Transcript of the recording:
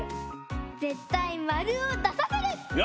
ぜったいまるをださせる！